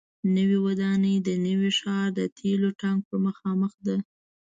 نوې ودانۍ د نوي ښار د تیلو ټانک پر مخامخ ده.